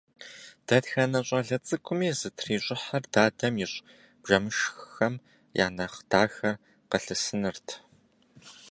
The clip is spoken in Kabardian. Дэтхэнэ щӀалэ цӀыкӀуми зытрищӀыхьыр дадэм ищӀ бжэмышххэм я нэхъ дахэр къылъысынырт.